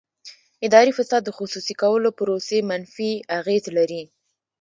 اداري فساد د خصوصي کولو پروسې منفي اغېز لري.